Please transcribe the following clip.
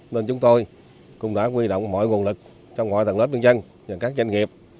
nên chúng tôi cũng đã quy động mọi nguồn lực trong mọi tầng lớp nhân dân và các doanh nghiệp